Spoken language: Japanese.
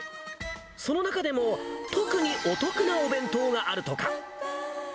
その中でも特にお得なお弁当があるとか。